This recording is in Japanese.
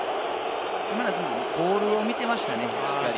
ボールを見てましたね、しっかり。